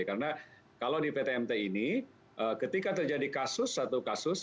karena kalau di pt mt ini ketika terjadi kasus satu kasus